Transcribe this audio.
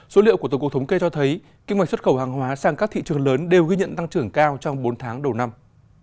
số liệu của tổng cục thống kê cho thấy kinh mạch xuất khẩu hàng hóa sang các thị trường lớn đều ghi nhận tăng trưởng cao trong bốn tháng đầu năm